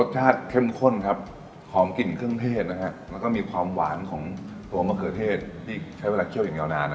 โถทาชเข้มข้นคลอมกลิ่นเครื่องเทศความหวานของตัวมะเขือเทศกินเวลาเที่ยวอย่างยาวนาน